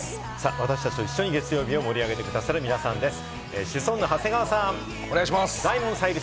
私達と一緒に月曜日を盛り上げて下さる皆さんです。